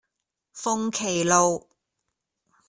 鳳麒路